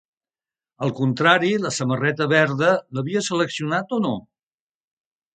Al contrari, la samarreta verda l'havia seleccionat o no?